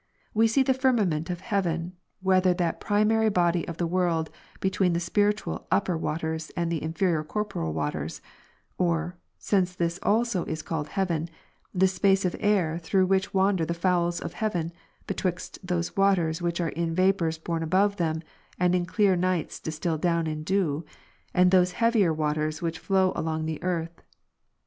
We see the firmament of heaven, whether that primary body of the world, between the spiritual upper waters and the inferior corporeal waters^\ or {since this also is called heaven) this space of air through which wander the fowls oihesiven, betivixt those waters which are in vapou^rs borne abave them, and in clear nights distil down in dew ; and those heavier ivaters which flow along the earth.